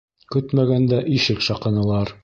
Көтмәгәндә ишек шаҡынылар.